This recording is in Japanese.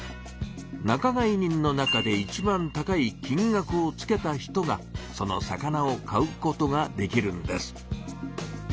仲買人の中でいちばん高い金額をつけた人がその魚を買うことができるんです。